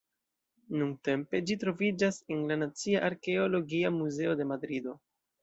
Nuntempe ĝi troviĝas en la Nacia Arkeologia Muzeo de Madrido.